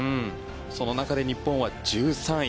その中で、日本は１３位。